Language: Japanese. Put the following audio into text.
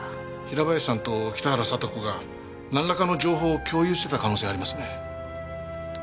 平林さんと北原さと子がなんらかの情報を共有してた可能性ありますね。